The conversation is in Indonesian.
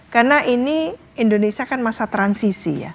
karena ini indonesia kan masa transisi ya